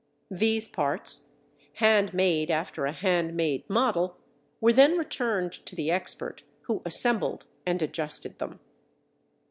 These parts, hand made after a hand made model, were then returned to the expert who assembled and adjusted them.